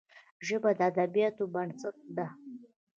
ژبه د ادبياتو بنسټ ده